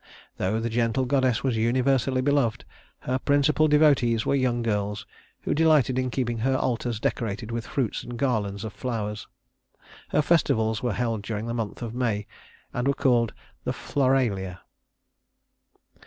Though the gentle goddess was universally beloved, her principal devotees were young girls, who delighted in keeping her altars decorated with fruits and garlands of flowers. Her festivals were held during the month of May and were called the Floralia.